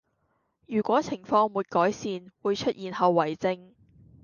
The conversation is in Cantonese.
如果情況沒改善會出現後遺症